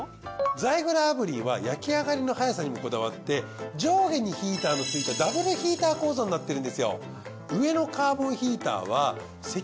ザイグル炙輪は焼き上がりの速さにもこだわって上下にヒーターのついたダブルヒーター構造になってるんですよ。